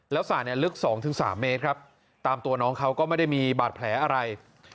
แล้วสระเนี่ยลึก๒๓เมตรครับตามตัวน้องเขาก็ไม่ได้มีบาดแผลอะไร